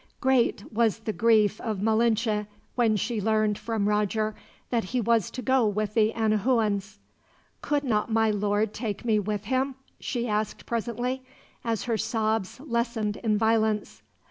Great was the grief of Malinche when she learned, from Roger, that he was to go with the Anahuans. "Could not my lord take me with him?" she asked presently, as her sobs lessened in violence.